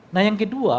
nah yang kedua